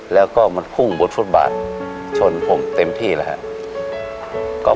แล้วก็มันพุ่งบนฟุตบาทชนผมเต็มที่แล้วครับ